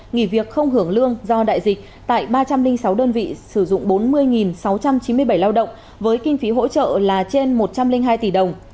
nghỉ việc không hưởng lương do đại dịch tại ba trăm linh sáu đơn vị sử dụng bốn mươi sáu trăm chín mươi bảy lao động với kinh phí hỗ trợ là trên một trăm linh hai tỷ đồng